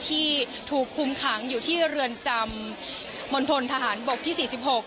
ที่ถูกคุมขังอยู่ที่เรือนจำมณฑลทหารบกที่๔๖